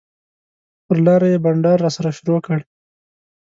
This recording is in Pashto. پر لاره یې بنډار راسره شروع کړ.